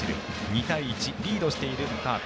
２対１、リードしているカープ